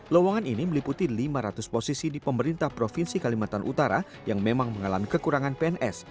lowongan ini meliputi lima ratus posisi di pemerintah provinsi kalimantan utara yang memang mengalami kekurangan pns